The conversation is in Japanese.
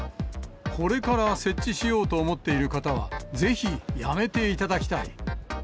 これから設置しようと思っている方は、ぜひやめていただきたい。